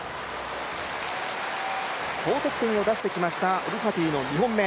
高得点を出してきましたオルファティの２本目。